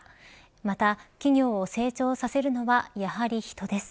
また、企業を成長させるのはやはり人です。